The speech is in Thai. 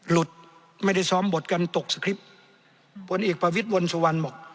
ไม่ได้ซ้อมบทกันตกสคริปต์ผลเอกประวิทย์วงสุวรรณบอก